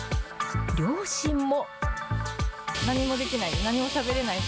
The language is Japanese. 両親も。